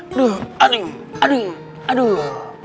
aduh aduh aduh aduh